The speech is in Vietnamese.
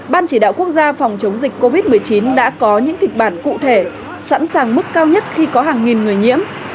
ban chỉ đạo quốc gia phòng chống dịch covid một mươi chín đã có những kịch bản cụ thể sẵn sàng mức cao nhất khi có hàng nghìn người nhiễm